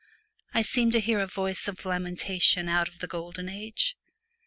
I seemed to hear a voice of lamentation out of the Golden Age.